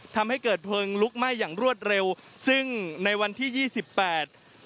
ทำให้เกิดเพลิงลุกไหม้อย่างรวดเร็วซึ่งในวันที่ยี่สิบแปด